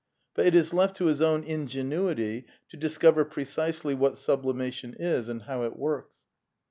But it is left to his own ingenuity to discover precisely what sublimation is and how it works.